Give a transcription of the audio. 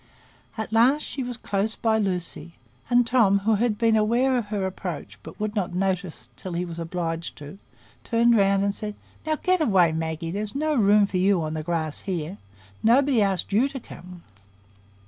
At last she was close by Lucy; and Tom, who had been aware of her approach, but would not notice it till he was obliged, turned round and said,— "Now, get away, Maggie; there's no room for you on the grass here. Nobody asked you to come."